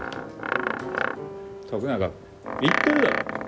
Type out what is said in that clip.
徳永君言ってるだろう？